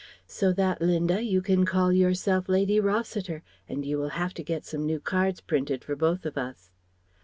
"So that, Linda, you can call yourself Lady Rossiter, and you will have to get some new cards printed for both of us."